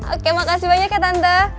oke makasih banyak ya tanta